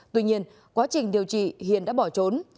tuy nhiên quá trình điều trị hiền đã bỏ trốn